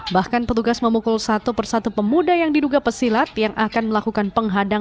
bahkan petugas memukul satu persatu pemuda yang diduga pesilat yang akan melakukan penghadangan